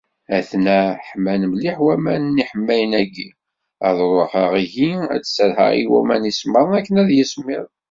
Aten-a ḥman mliḥ waman n lḥemmam-ayi, ad ruḥeɣ ihi ad d-serrḥeɣ i waman isemmaḍen akken ad yismiḍ.